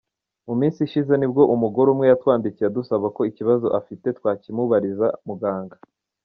Mu minsi ishize nibwo umugore umwe yatwandikiye adusaba ko ikibazo afite twakimubariza muganga.